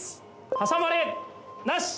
挟まれなし。